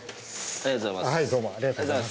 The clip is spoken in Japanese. ありがとうございます。